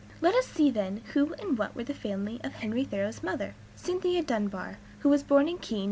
Let us see, then, who and what were the family of Henry Thoreau's mother, Cynthia Dunbar, who was born in Keene, N.